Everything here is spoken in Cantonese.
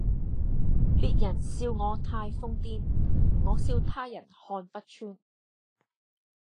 別人笑我太瘋癲，我笑他人看不穿